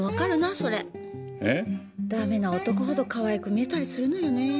ダメな男ほどかわいく見えたりするのよねぇ。